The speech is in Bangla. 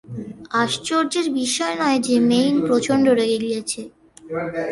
আশ্চর্যের বিষয় নয় যে, মেইন প্রচণ্ড রেগে গিয়েছিলেন।